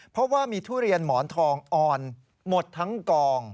เพราะว่ามีทุเรียนหมอนทองอ่อนหมดทั้งกอง